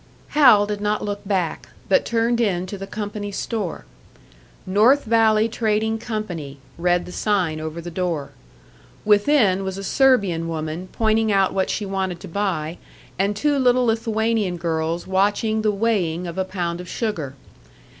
Hal did not look back, but turned into the company store. "North Valley Trading Company" read the sign over the door; within was a Serbian woman pointing out what she wanted to buy, and two little Lithuanian girls watching the weighing of a pound of sugar.